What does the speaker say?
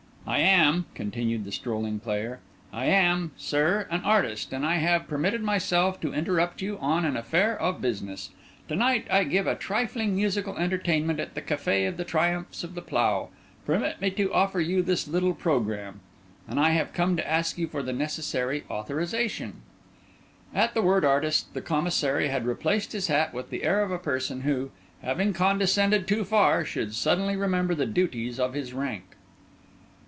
"I am," continued the strolling player, "I am, sir, an artist, and I have permitted myself to interrupt you on an affair of business. To night I give a trifling musical entertainment at the Café of the Triumphs of the Plough—permit me to offer you this little programme—and I have come to ask you for the necessary authorisation." At the word "artist," the Commissary had replaced his hat with the air of a person who, having condescended too far, should suddenly remember the duties of his rank.